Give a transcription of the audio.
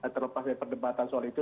terlepas dari perdebatan soal itu